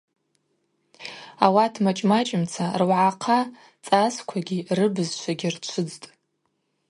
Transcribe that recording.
Ауат мачӏ-мачӏымца руагӏахъа цӏасквагьи рыбызшвагьи рчвыдзтӏ.